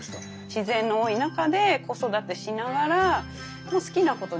自然の多い中で子育てしながら好きなことできてるので。